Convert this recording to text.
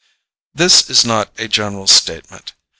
This is not a general statement.